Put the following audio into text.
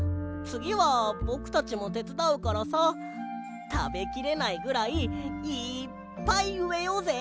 つぎはぼくたちもてつだうからさたべきれないぐらいいっぱいうえようぜ。